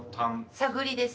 探りです。